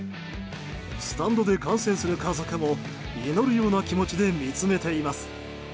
スタンドで観戦する家族も祈るような気持ちで見つめています。